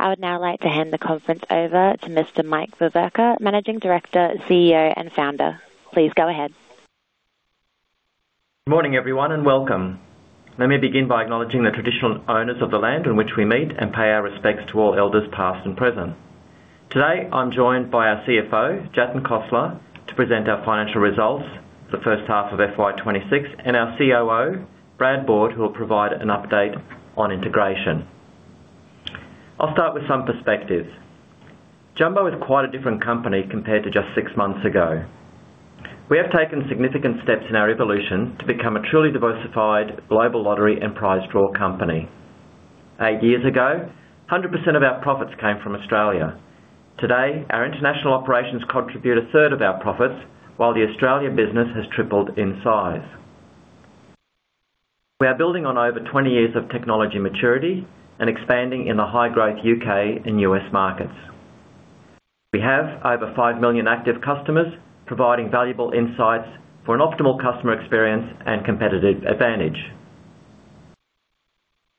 I would now like to hand the conference over to Mr. Mike Veverka, Managing Director, CEO, and Founder. Please go ahead. Good morning, everyone, and welcome. Let me begin by acknowledging the traditional owners of the land on which we meet and pay our respects to all elders, past and present. Today, I'm joined by our CFO, Jatin Khosla, to present our financial results for the first half of FY 2026, and our COO, Brad Board, who will provide an update on integration. I'll start with some perspective. Jumbo is quite a different company compared to just six months ago. We have taken significant steps in our evolution to become a truly diversified global lottery and prize draw company. Eight years ago, 100% of our profits came from Australia. Today, our international operations contribute a third of our profits, while the Australian business has tripled in size. We are building on over 20 years of technology maturity and expanding in the high-growth U.K. and U.S. markets. We have over 5 million active customers, providing valuable insights for an optimal customer experience and competitive advantage.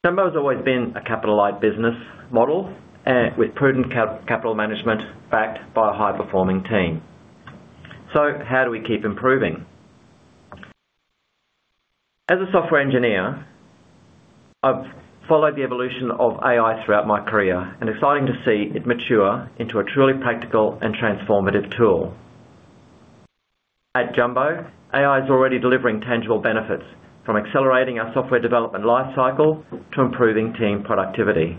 Jumbo has always been a capital-light business model, with prudent capital management, backed by a high-performing team. How do we keep improving? As a software engineer, I've followed the evolution of AI throughout my career and exciting to see it mature into a truly practical and transformative tool. At Jumbo, AI is already delivering tangible benefits, from accelerating our software development lifecycle to improving team productivity.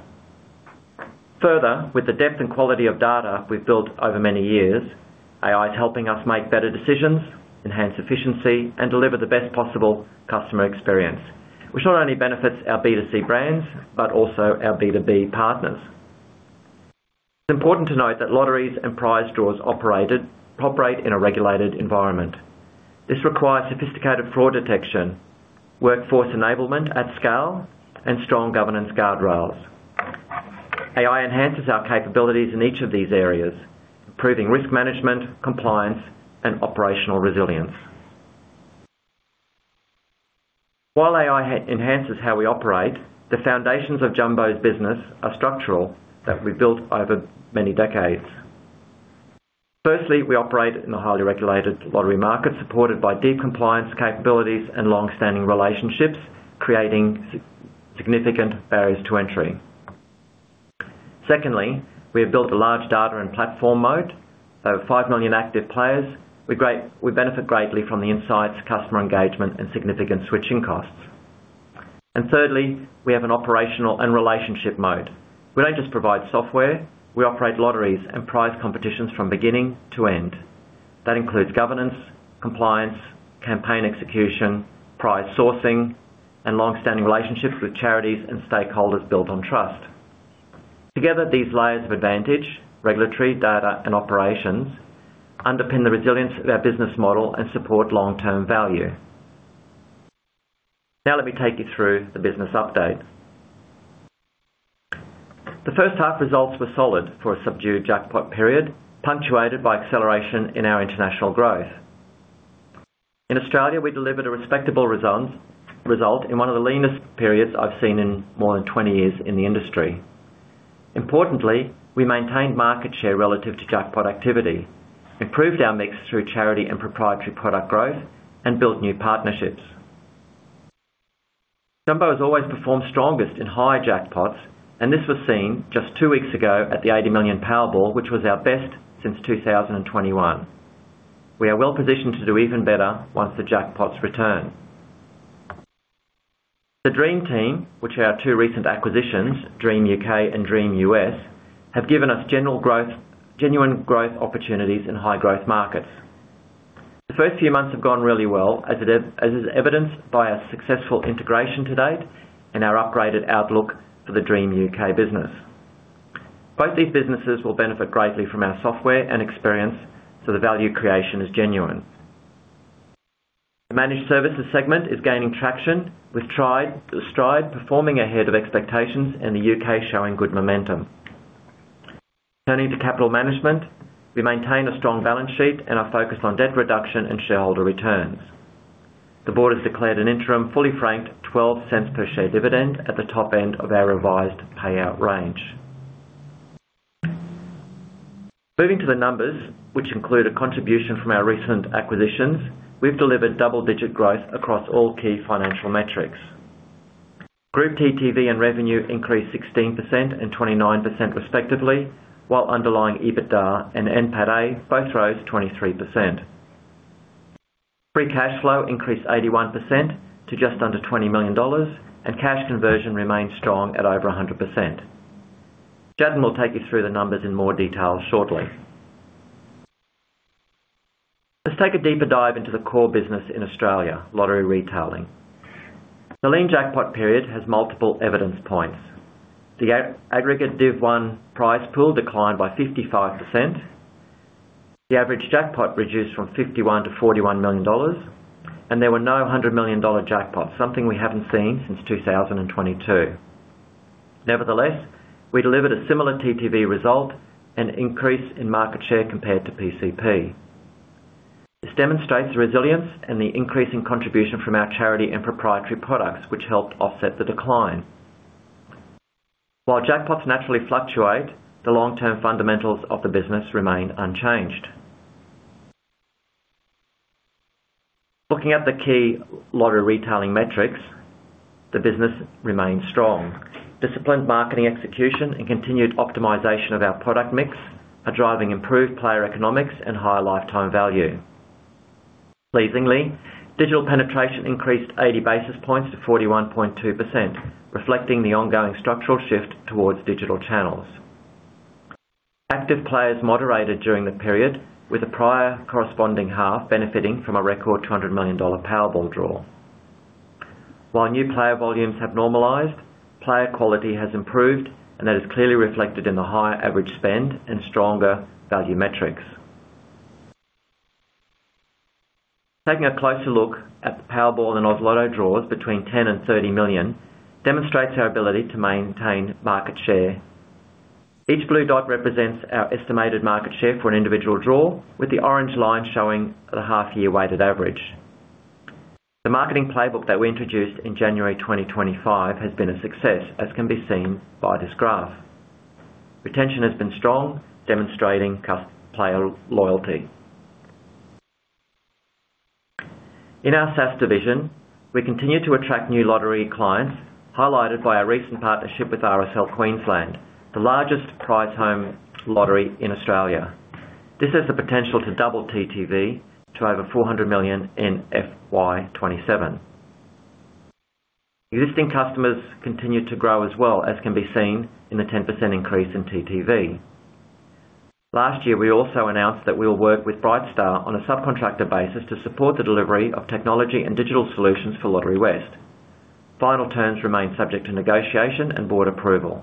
Further, with the depth and quality of data we've built over many years, AI is helping us make better decisions, enhance efficiency, and deliver the best possible customer experience, which not only benefits our B2C brands, but also our B2B partners. It's important to note that lotteries and prize draws operate in a regulated environment. This requires sophisticated fraud detection, workforce enablement at scale, and strong governance guardrails. AI enhances our capabilities in each of these areas, improving risk management, compliance, and operational resilience. While AI enhances how we operate, the foundations of Jumbo's business are structural, that we built over many decades. Firstly, we operate in a highly regulated lottery market, supported by deep compliance capabilities and long-standing relationships, creating significant barriers to entry. Secondly, we have built a large data and platform mode of 5 million active players. We benefit greatly from the insights, customer engagement, and significant switching costs. Thirdly, we have an operational and relationship mode. We don't just provide software; we operate lotteries and prize competitions from beginning to end. That includes governance, compliance, campaign execution, prize sourcing, and long-standing relationships with charities and stakeholders built on trust. Together, these layers of advantage, regulatory, data, and operations, underpin the resilience of our business model and support long-term value. Let me take you through the business update. The first half results were solid for a subdued jackpot period, punctuated by acceleration in our international growth. Australia, we delivered a respectable result in one of the leanest periods I've seen in more than 20 years in the industry. We maintained market share relative to jackpot activity, improved our mix through charity and proprietary product growth, and built new partnerships. Jumbo has always performed strongest in higher jackpots, this was seen just two weeks ago at the 80 million Powerball, which was our best since 2021. We are well-positioned to do even better once the jackpots return. The Dream Team, which are our two recent acquisitions, Dream U.K. and Dream U.S., have given us genuine growth opportunities in high-growth markets. The first few months have gone really well, as is evidenced by our successful integration to date and our upgraded outlook for the Dream U.K. business. Both these businesses will benefit greatly from our software and experience. The value creation is genuine. The managed services segment is gaining traction, with Stride performing ahead of expectations and the U.K. showing good momentum. Turning to capital management, we maintain a strong balance sheet and are focused on debt reduction and shareholder returns. The Board has declared an interim, fully franked 0.12 per share dividend at the top end of our revised payout range. Moving to the numbers, which include a contribution from our recent acquisitions, we've delivered double-digit growth across all key financial metrics. Group TTV and revenue increased 16% and 29% respectively, while underlying EBITDA and NPATA both rose 23%. Free cash flow increased 81% to just under 20 million dollars, and cash conversion remains strong at over 100%. Jatin will take you through the numbers in more detail shortly. Let's take a deeper dive into the core business in Australia, lottery retailing. The lean jackpot period has multiple evidence points. The aggregate Div 1 prize pool declined by 55%. The average jackpot reduced from 51 million-41 million dollars, and there were no 100 million dollar jackpots, something we haven't seen since 2022. Nevertheless, we delivered a similar TTV result and increase in market share compared to PCP. This demonstrates the resilience and the increasing contribution from our charity and proprietary products, which helped offset the decline. While jackpots naturally fluctuate, the long-term fundamentals of the business remain unchanged. Looking at the key lottery retailing metrics, the business remains strong. Disciplined marketing execution and continued optimization of our product mix are driving improved player economics and higher lifetime value. Pleasingly, digital penetration increased 80 basis points to 41.2%, reflecting the ongoing structural shift towards digital channels. Active players moderated during the period, with the prior corresponding half benefiting from a record $200 million Powerball draw. While new player volumes have normalized, player quality has improved, and that is clearly reflected in the higher average spend and stronger value metrics. Taking a closer look at the Powerball and Oz Lotto draws between 10 and 30 million, demonstrates our ability to maintain market share. Each blue dot represents our estimated market share for an individual draw, with the orange line showing the half-year weighted average. The marketing playbook that we introduced in January 2025 has been a success, as can be seen by this graph. Retention has been strong, demonstrating player loyalty. In our SaaS division, we continue to attract new lottery clients, highlighted by our recent partnership with RSL Queensland, the largest prize home lottery in Australia. This has the potential to double TTV to over 400 million in FY 2027. Existing customers continue to grow as well, as can be seen in the 10% increase in TTV. Last year, we also announced that we will work with Brightstar on a subcontractor basis to support the delivery of technology and digital solutions for Lotterywest. Final terms remain subject to negotiation and board approval.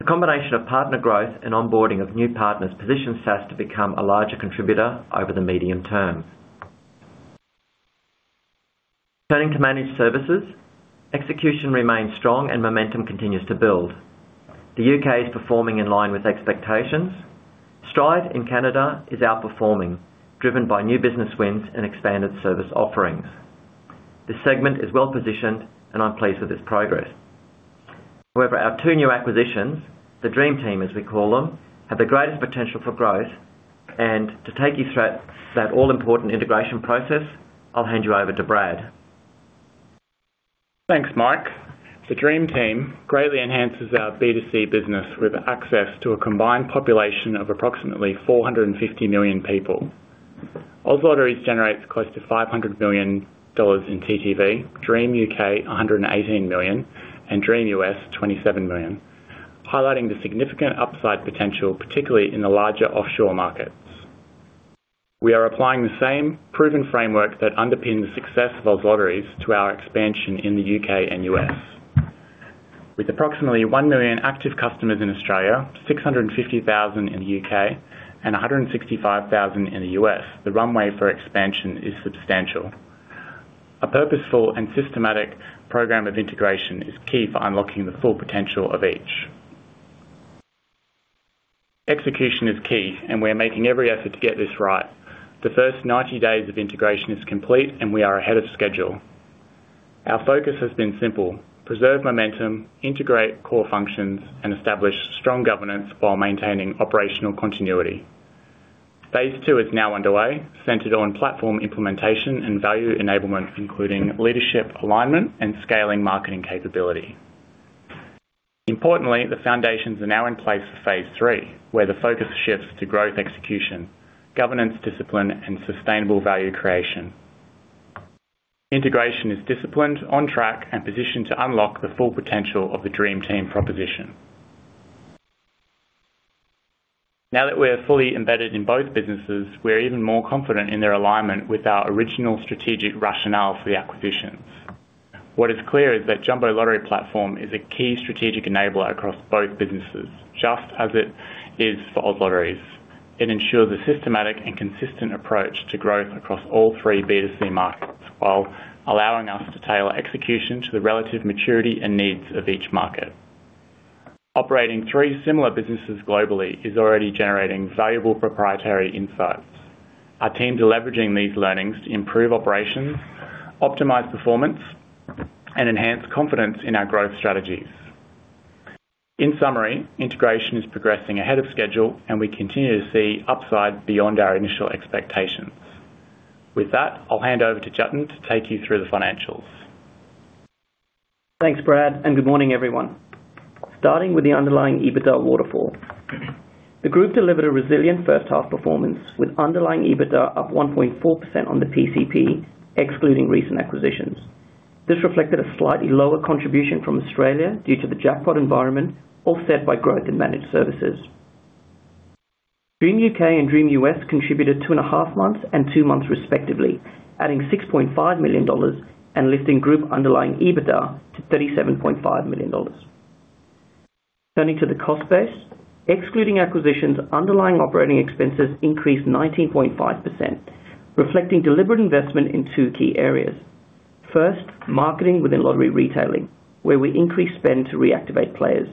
The combination of partner growth and onboarding of new partners positions SaaS to become a larger contributor over the medium term. Turning to managed services, execution remains strong and momentum continues to build. The U.K. is performing in line with expectations. Stride in Canada is outperforming, driven by new business wins and expanded service offerings. This segment is well-positioned, and I'm pleased with its progress. Our two new acquisitions, the Dream Team, as we call them, have the greatest potential for growth. To take you through that all-important integration process, I'll hand you over to Brad. Thanks, Mike. The Dream Team greatly enhances our B2C business with access to a combined population of approximately 450 million people. Oz Lotteries generates close to $500 million in TTV, Dream U.K., 118 million, and Dream US, 27 million, highlighting the significant upside potential, particularly in the larger offshore markets. We are applying the same proven framework that underpinned the success of Oz Lotteries to our expansion in the U.K. and U.S. With approximately 1 million active customers in Australia, 650,000 in the U.K., and 165,000 in the U.S., the runway for expansion is substantial. A purposeful and systematic program of integration is key for unlocking the full potential of each. Execution is key, we're making every effort to get this right. The first 90 days of integration is complete, and we are ahead of schedule. Our focus has been simple: preserve momentum, integrate core functions, and establish strong governance while maintaining operational continuity. Phase two is now underway, centered on platform implementation and value enablement, including leadership, alignment, and scaling marketing capability. Importantly, the foundations are now in place for phase three, where the focus shifts to growth execution, governance discipline, and sustainable value creation. Integration is disciplined, on track, and positioned to unlock the full potential of the Dream Team proposition. Now that we're fully embedded in both businesses, we're even more confident in their alignment with our original strategic rationale for the acquisitions. What is clear is that Jumbo Lottery Platform is a key strategic enabler across both businesses, just as it is for Oz Lotteries. It ensures a systematic and consistent approach to growth across all three B2C markets, while allowing us to tailor execution to the relative maturity and needs of each market. Operating three similar businesses globally is already generating valuable proprietary insights. Our teams are leveraging these learnings to improve operations, optimize performance, and enhance confidence in our growth strategies. In summary, integration is progressing ahead of schedule, and we continue to see upside beyond our initial expectations. With that, I'll hand over to Jatin to take you through the financials. Thanks, Brad. Good morning, everyone. Starting with the underlying EBITDA waterfall. The group delivered a resilient first half performance, with underlying EBITDA up 1.4% on the PCP, excluding recent acquisitions. This reflected a slightly lower contribution from Australia due to the jackpot environment, offset by growth in managed services. Dream U.K. and Dream U.S. contributed two and a half months and two months, respectively, adding 6.5 million dollars and lifting group underlying EBITDA to 37.5 million dollars. Turning to the cost base, excluding acquisitions, underlying operating expenses increased 19.5%, reflecting deliberate investment in two key areas. First, marketing within lottery retailing, where we increase spend to reactivate players.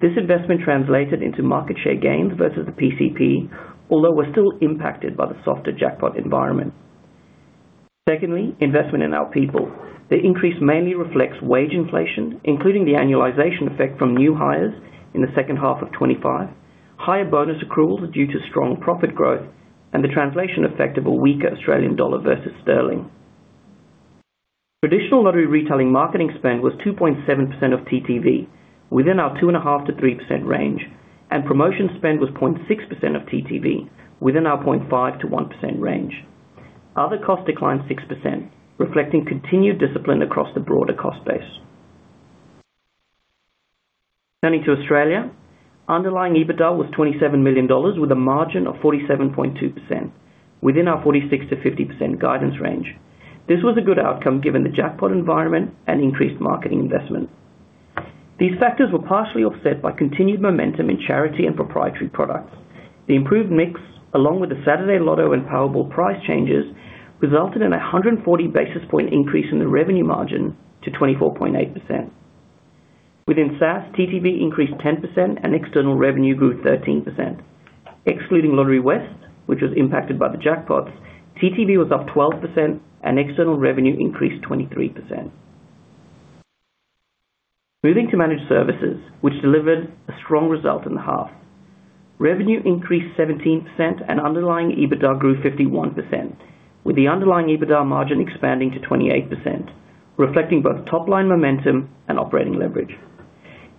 This investment translated into market share gains versus the PCP, although we're still impacted by the softer jackpot environment. Secondly, investment in our people. The increase mainly reflects wage inflation, including the annualization effect from new hires in the second half of 2025, higher bonus accruals due to strong profit growth, and the translation effect of a weaker Australian dollar versus sterling. Traditional lottery retailing marketing spend was 2.7% of TTV, within our 2.5%-3% range, and promotion spend was 0.6% of TTV, within our 0.5%-1% range. Other costs declined 6%, reflecting continued discipline across the broader cost base. Turning to Australia, underlying EBITDA was 27 million dollars, with a margin of 47.2%, within our 46%-50% guidance range. This was a good outcome, given the jackpot environment and increased marketing investment. These factors were partially offset by continued momentum in charity and proprietary products. The improved mix, along with the Saturday Lotto and Powerball price changes, resulted in a 140 basis point increase in the revenue margin to 24.8%. Within SaaS, TTV increased 10% and external revenue grew 13%. Excluding Lotterywest, which was impacted by the jackpots, TTV was up 12% and external revenue increased 23%. Moving to managed services, which delivered a strong result in the half. Revenue increased 17% and underlying EBITDA grew 51%, with the underlying EBITDA margin expanding to 28%, reflecting both top line momentum and operating leverage.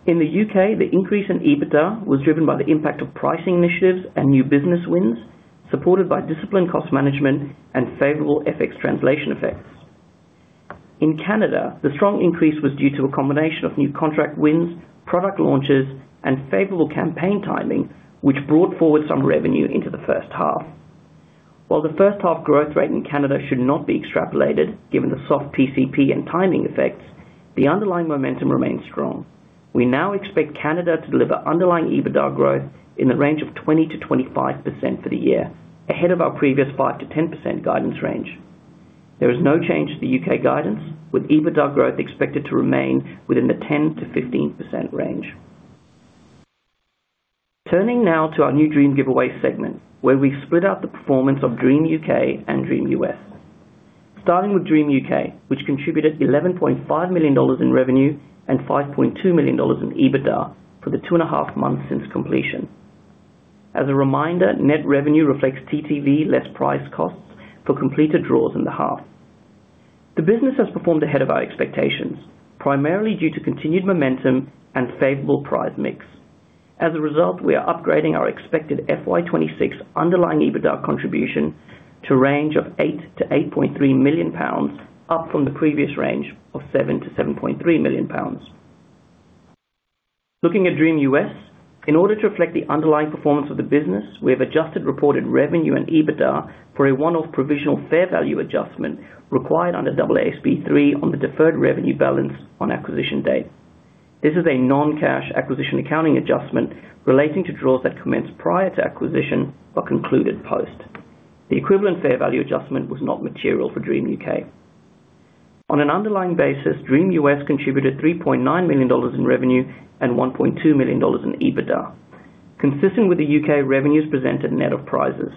In the U.K., the increase in EBITDA was driven by the impact of pricing initiatives and new business wins, supported by disciplined cost management and favorable FX translation effects. In Canada, the strong increase was due to a combination of new contract wins, product launches, and favorable campaign timing, which brought forward some revenue into the first half. While the first half growth rate in Canada should not be extrapolated, given the soft PCP and timing effects, the underlying momentum remains strong. We now expect Canada to deliver underlying EBITDA growth in the range of 20%-25% for the year, ahead of our previous 5%-10% guidance range. There is no change to the U.K. guidance, with EBITDA growth expected to remain within the 10%-15% range. Turning now to our new Dream Giveaway segment, where we've split up the performance of Dream U.K. and Dream U.S. Starting with Dream U.K, which contributed $11.5 million in revenue and $5.2 million in EBITDA for the two and a half months since completion. As a reminder, net revenue reflects TTV less price costs for completed draws in the half. The business has performed ahead of our expectations, primarily due to continued momentum and favorable prize mix. As a result, we are upgrading our expected FY 2026 underlying EBITDA contribution to a range of 8 million-8.3 million pounds, up from the previous range of 7 million-7.3 million pounds. Looking at Dream U.S., in order to reflect the underlying performance of the business, we have adjusted reported revenue and EBITDA for a one-off provisional fair value adjustment required under AASB 3 on the deferred revenue balance on acquisition date. This is a non-cash acquisition accounting adjustment relating to draws that commenced prior to acquisition but concluded post. The equivalent fair value adjustment was not material for Dream U.K. On an underlying basis, Dream U.S. contributed $3.9 million in revenue and $1.2 million in EBITDA, consistent with the U.K. revenues presented net of prizes.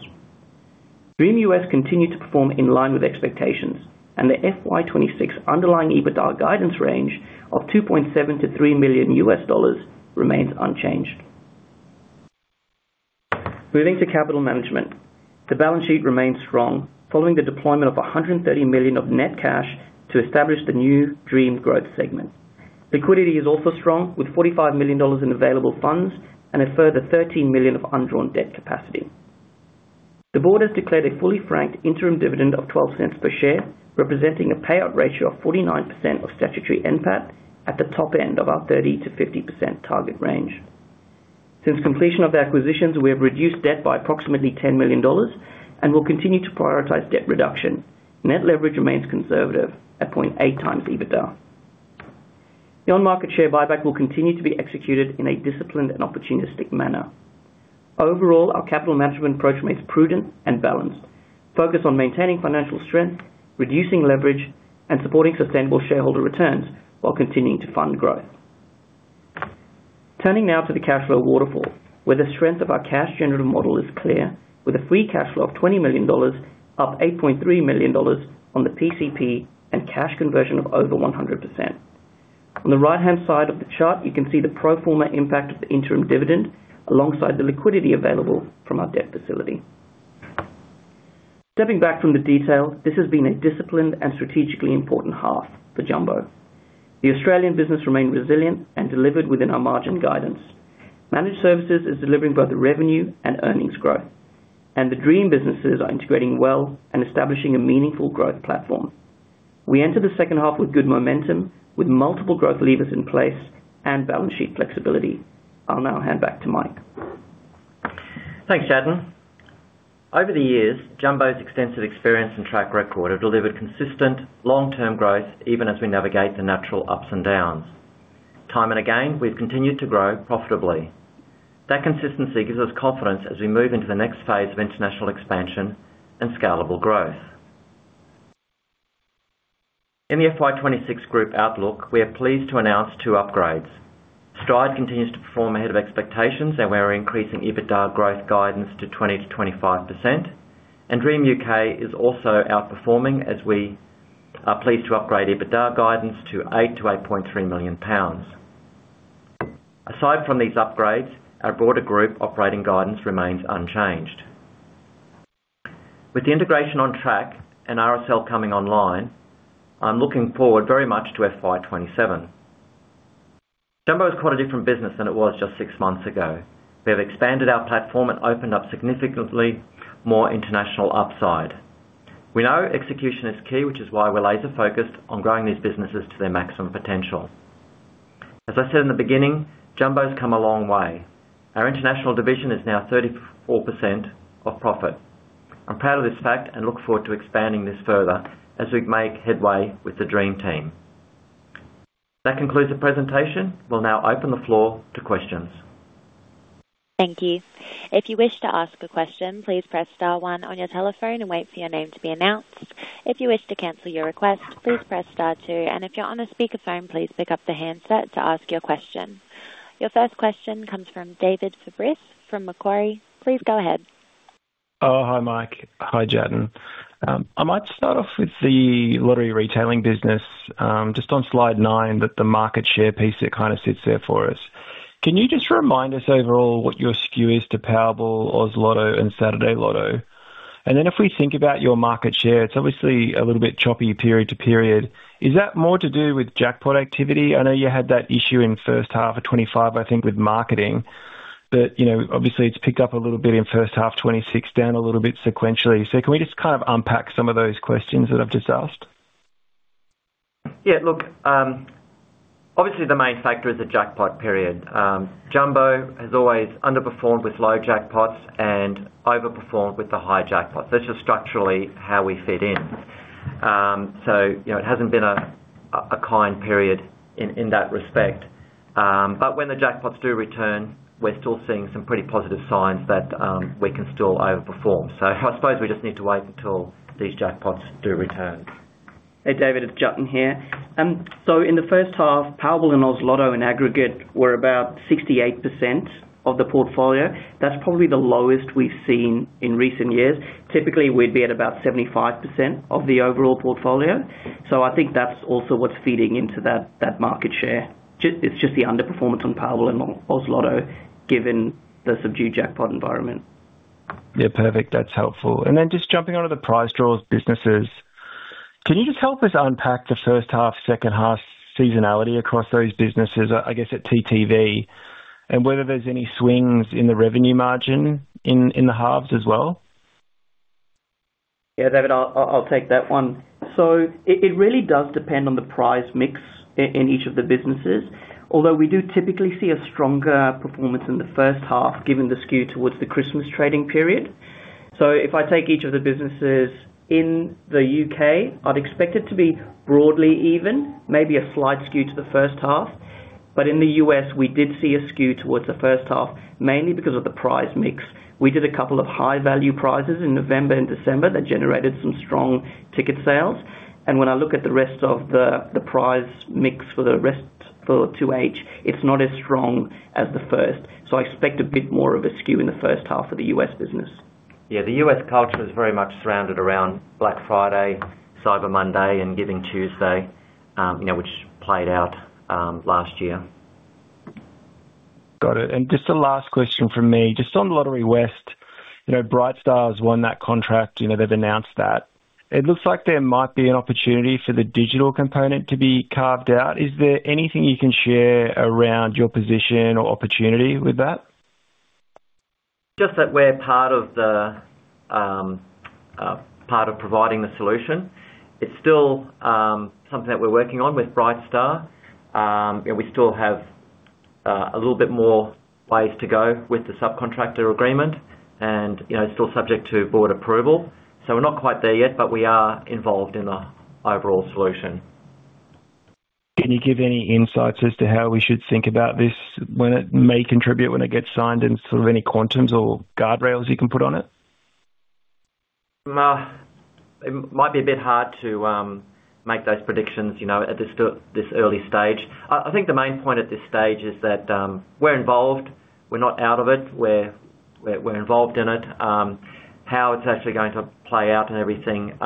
Dream U.S. continued to perform in line with expectations, and the FY 2026 underlying EBITDA guidance range of $2.7 million-$3 million remains unchanged. Moving to capital management. The balance sheet remains strong, following the deployment of 130 million of net cash to establish the new Dream Growth segment. Liquidity is also strong, with 45 million dollars in available funds and a further 13 million of undrawn debt capacity. The board has declared a fully franked interim dividend of 0.12 per share, representing a payout ratio of 49% of statutory NPAT at the top end of our 30%-50% target range. Since completion of the acquisitions, we have reduced debt by approximately 10 million dollars and will continue to prioritize debt reduction. Net leverage remains conservative at 0.8x EBITDA. The on-market share buyback will continue to be executed in a disciplined and opportunistic manner. Overall, our capital management approach remains prudent and balanced, focused on maintaining financial strength, reducing leverage, and supporting sustainable shareholder returns while continuing to fund growth. Turning now to the cash flow waterfall, where the strength of our cash generator model is clear, with a free cash flow of 20 million dollars, up 8.3 million dollars on the PCP, and cash conversion of over 100%. On the right-hand side of the chart, you can see the pro forma impact of the interim dividend alongside the liquidity available from our debt facility. Stepping back from the detail, this has been a disciplined and strategically important half for Jumbo. The Australian business remained resilient and delivered within our margin guidance. Managed services is delivering both the revenue and earnings growth. The Dream businesses are integrating well and establishing a meaningful growth platform. We enter the second half with good momentum, with multiple growth levers in place and balance sheet flexibility. I'll now hand back to Mike. Thanks, Jatin. Over the years, Jumbo's extensive experience and track record have delivered consistent long-term growth, even as we navigate the natural ups and downs.... Time and again, we've continued to grow profitably. That consistency gives us confidence as we move into the next phase of international expansion and scalable growth. In the FY 2026 group outlook, we are pleased to announce two upgrades. Stride continues to perform ahead of expectations. We are increasing EBITDA growth guidance to 20%-25%. Dream U.K. is also outperforming as we are pleased to upgrade EBITDA guidance to 8 million-8.3 million pounds. Aside from these upgrades, our broader group operating guidance remains unchanged. With the integration on track and RSL coming online, I'm looking forward very much to FY 2027. Jumbo is quite a different business than it was just six months ago. We have expanded our platform and opened up significantly more international upside. We know execution is key, which is why we're laser-focused on growing these businesses to their maximum potential. As I said in the beginning, Jumbo's come a long way. Our international division is now 34% of profit. I'm proud of this fact and look forward to expanding this further as we make headway with the Dream Team. That concludes the presentation. We'll now open the floor to questions. Thank you. If you wish to ask a question, please press star one on your telephone and wait for your name to be announced. If you wish to cancel your request, please press star two, and if you're on a speakerphone, please pick up the handset to ask your question. Your first question comes from David Fabris from Macquarie. Please go ahead. Hi, Mike. Hi, Jatin. I might start off with the lottery retailing business. Just on slide nine, that the market share piece that kind of sits there for us. Can you just remind us overall what your skew is to Powerball, Oz Lotto, and Saturday Lotto? If we think about your market share, it's obviously a little bit choppy period to period. Is that more to do with jackpot activity? I know you had that issue in first half of 2025, I think, with marketing, but, you know, obviously it's picked up a little bit in first half 2026, down a little bit sequentially. Can we just kind of unpack some of those questions that I've just asked? Yeah, look, obviously the main factor is the jackpot period. Jumbo has always underperformed with low jackpots and overperformed with the high jackpots. That's just structurally how we fit in. You know, it hasn't been a kind period in that respect, but when the jackpots do return, we're still seeing some pretty positive signs that we can still overperform. I suppose we just need to wait until these jackpots do return. Hey, David, it's Jatin here. In the first half, Powerball and Oz Lotto in aggregate were about 68% of the portfolio. That's probably the lowest we've seen in recent years. Typically, we'd be at about 75% of the overall portfolio. I think that's also what's feeding into that market share. It's just the underperformance on Powerball and Oz Lotto, given the subdued jackpot environment. Yeah, perfect. That's helpful. Just jumping onto the prize draws businesses, can you just help us unpack the first half, second half seasonality across those businesses, I guess at TTV, and whether there's any swings in the revenue margin in the halves as well? David, I'll take that one. It really does depend on the prize mix in each of the businesses. Although we do typically see a stronger performance in the first half, given the skew towards the Christmas trading period. If I take each of the businesses in the U.K., I'd expect it to be broadly even, maybe a slight skew to the first half. In the U.S., we did see a skew towards the first half, mainly because of the prize mix. We did a couple of high-value prizes in November and December that generated some strong ticket sales. When I look at the rest of the prize mix for 2H, it's not as strong as the first. I expect a bit more of a skew in the first half of the U.S. business. The U.S. culture is very much surrounded around Black Friday, Cyber Monday, and Giving Tuesday, you know, which played out last year. Got it. Just a last question from me. Just on Lotterywest, you know, Brightstar has won that contract, you know, they've announced that. It looks like there might be an opportunity for the digital component to be carved out. Is there anything you can share around your position or opportunity with that? Just that we're part of the part of providing the solution. It's still something that we're working on with Bright Star. We still have a little bit more ways to go with the subcontractor agreement and, you know, still subject to board approval. We're not quite there yet, but we are involved in the overall solution. Can you give any insights as to how we should think about this, when it may contribute, when it gets signed, and sort of any quantums or guardrails you can put on it? it might be a bit hard to make those predictions, you know, at this early stage. I think the main point at this stage is that we're involved. We're not out of it. We're involved in it. How it's actually going to play out and everything,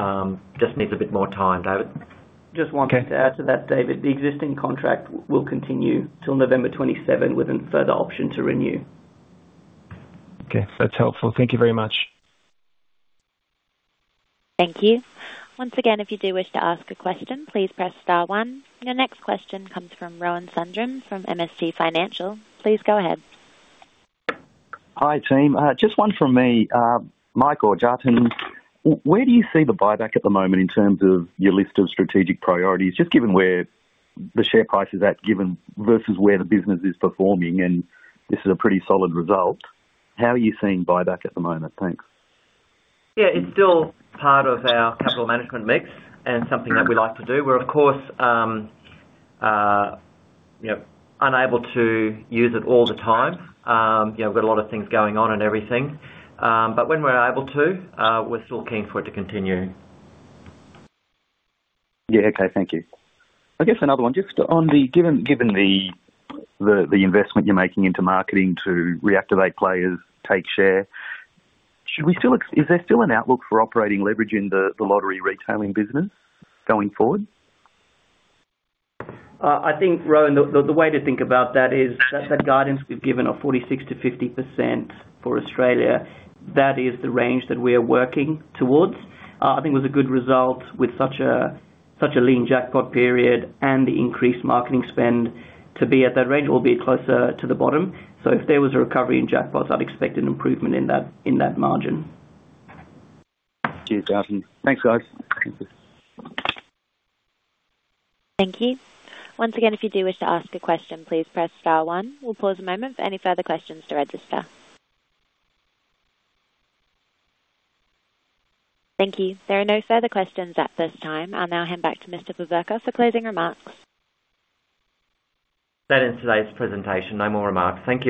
just needs a bit more time, David. Just wanted to add to that, David. The existing contract will continue till November 2027, with a further option to renew. Okay, that's helpful. Thank you very much. Thank you. Once again, if you do wish to ask a question, please press star one. Your next question comes from Rohan Sundram, from MST Financial. Please go ahead. Hi, team. Just one from me. Mike or Jatin, where do you see the buyback at the moment in terms of your list of strategic priorities? Just given where the share price is at, given versus where the business is performing, and this is a pretty solid result, how are you seeing buyback at the moment? Thanks. Yeah, it's still part of our capital management mix and something that we like to do. We're, of course, you know, unable to use it all the time. You know, we've got a lot of things going on and everything. When we're able to, we're still keen for it to continue. Yeah. Okay. Thank you. I guess another one, just on the given the investment you're making into marketing to reactivate players, take share, is there still an outlook for operating leverage in the lottery retailing business going forward? I think, Rohan, the way to think about that is, that's that guidance we've given of 46%-50% for Australia. That is the range that we are working towards. I think it was a good result with such a lean jackpot period and the increased marketing spend to be at that range or be closer to the bottom. If there was a recovery in jackpots, I'd expect an improvement in that margin. Cheers, Jatin. Thanks, guys. Thank you. Once again, if you do wish to ask a question, please press star one. We'll pause a moment for any further questions to register. Thank you. There are no further questions at this time. I'll now hand back to Mr. Veverka for closing remarks. That ends today's presentation. No more remarks. Thank you.